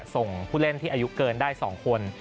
ส่งผู้เล่นที่อายุเกินได้๒คน